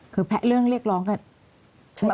คือแพะเรื่องเรียกร้องน่ะ